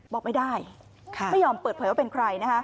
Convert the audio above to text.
บอกไม่ได้ไม่ยอมเปิดเผยว่าเป็นใคร